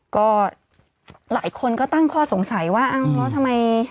ก็หลายคนก็ตั้งข้อสงสัยว่าอ้าวแล้วทำไม